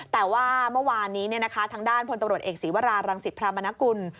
แต่ว่าเมื่อวานนี้ทางด้านพลตำรวจเอกศีวรารังสิตพรามนกุล